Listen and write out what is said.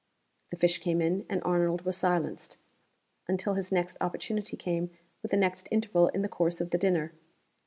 The fish came in, and Arnold was silenced until his next opportunity came with the next interval in the course of the dinner.